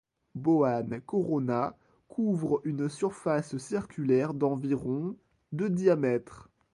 Boann Corona couvre une surface circulaire d'environ de diamètre.